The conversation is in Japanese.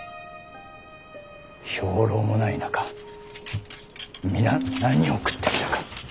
兵糧もない中皆何を食ってきたか。